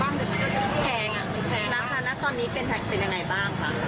มันก็จะแพงอ่ะมันแพงราคานะตอนนี้เป็นยังไงบ้างคะ